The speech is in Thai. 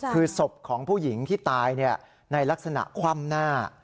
คือศพของผู้หญิงที่ตายในลักษณะคว่ำหน้า